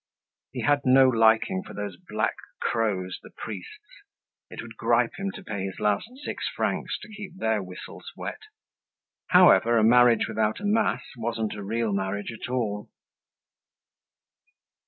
He had no liking for those black crows, the priests. It would gripe him to pay his last six francs to keep their whistles wet; however, a marriage without a mass wasn't a real marriage at all.